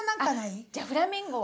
あっじゃあフラミンゴは？